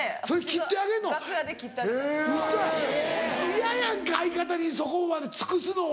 嫌やんか相方にそこまで尽くすのは。